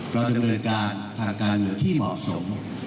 เพราะโดยเวลาการทางการเหลือที่เหมาะสม